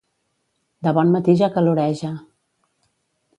De bon matí ja caloreja.